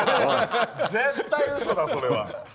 絶対うそだ、それは。